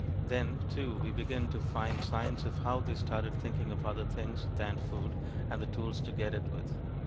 Then, too, we begin to find signs of how they started thinking of other things than food and the tools to get it with.